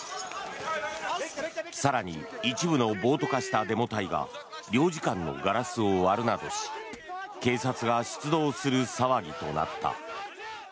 更に、一部の暴徒化したデモ隊が領事館のガラスを割るなどし警察が出動する騒ぎとなった。